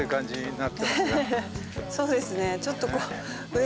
そうですね